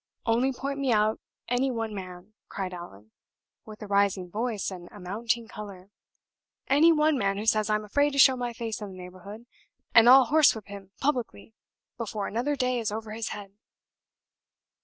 Only point me out any one man," cried Allan, with a rising voice and a mounting color "any one man who says I am afraid to show my face in the neighborhood, and I'll horsewhip him publicly before another day is over his head!"